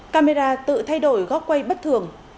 camera tự thay đổi góc quay bất thường